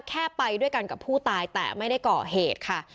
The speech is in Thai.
แค่ไปด้วยกันกับผู้ตายแต่ไม่ได้ก่อเหตุค่ะ